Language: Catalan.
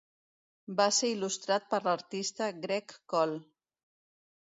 Va ser il·lustrat per l'artista Greg Call.